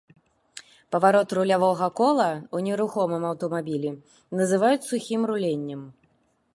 Паварот рулявога кола ў нерухомым аўтамабілі называюць сухім руленнем.